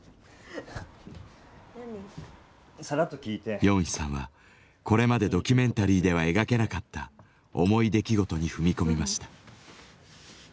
ヨンヒさんはこれまでドキュメンタリーでは描けなかった重い出来事に踏み込みました。